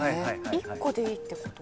１個でいいってこと？